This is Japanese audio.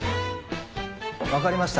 わかりました。